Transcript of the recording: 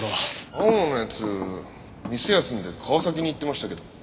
青野の奴店休んで川崎に行ってましたけど。